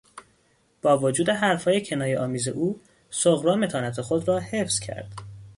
با وجود حرفهای کنایهآمیز او صغرا متانت خود را حفظ کرد.